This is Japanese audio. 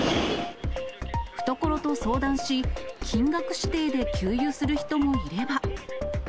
懐と相談し、金額指定で給油する人もいれば。